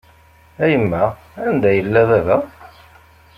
A yemma, anda yella baba?